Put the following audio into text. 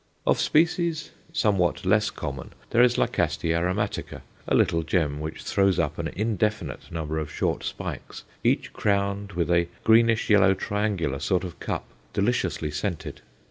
Of species somewhat less common there is L. aromatica, a little gem, which throws up an indefinite number of short spikes, each crowned with a greenish yellow triangular sort of cup, deliciously scented.